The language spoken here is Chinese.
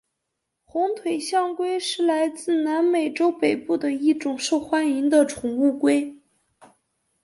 红腿象龟是来自南美洲北部的一种受欢迎的宠物龟。